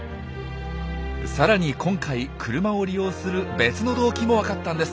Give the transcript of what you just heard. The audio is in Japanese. さらに今回車を利用する別の動機もわかったんです。